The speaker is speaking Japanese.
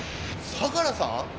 相良さん？